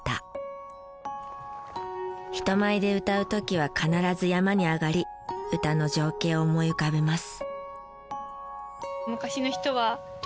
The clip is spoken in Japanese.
人前で歌う時は必ず山に上がり歌の情景を思い浮かべます。